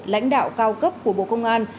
lãnh đạo cao cấp của bộ công an